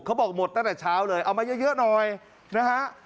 เขาบอกหมดตั้งแต่เช้าเลยเอามาเยอะหน่อยนะฮะ